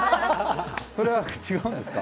それは違うんですか？